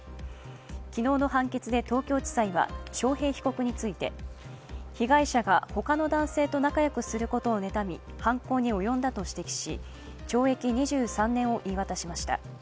昨日の判決で東京地裁は、章平被告について、被害者が他の男性と仲よくすることを妬み、犯行に及んだと指摘し懲役２３年を言い渡しました。